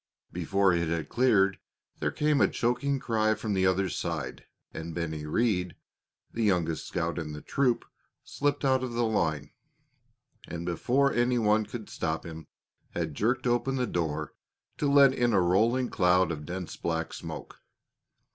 Before it had cleared there came a choking cry from the other side, and Bennie Rhead, the youngest scout in the troop, slipped out of the line, and before any one could stop him, had jerked open the door to let in a rolling cloud of dense black smoke.